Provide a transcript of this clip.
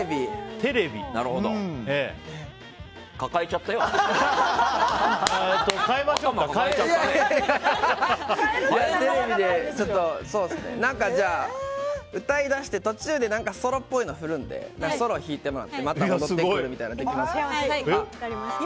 テレビで、何か歌いだして途中で、何かソロっぽいの振るのでソロ弾いてもらってまた戻ってくるみたいなのできます？